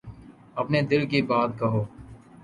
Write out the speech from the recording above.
اپنے دل کی بات کہو۔